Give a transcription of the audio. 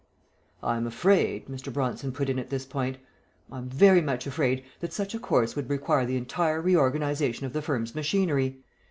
"I am afraid," Mr. Bronson put in at this point, "I am very much afraid that such a course would require the entire reorganization of the firm's machinery.